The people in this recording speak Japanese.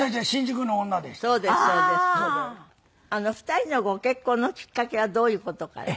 ２人のご結婚のきっかけはどういう事から？